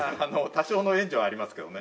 多少の援助はありますけどね